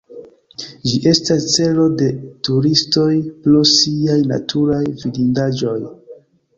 Ĝi estas celo de turistoj pro siaj naturaj vidindaĵoj.